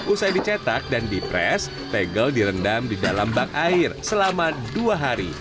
usai dicetak dan dipres tegel direndam di dalam bak air selama dua hari